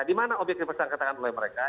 di mana obyek dipersengketakan oleh mereka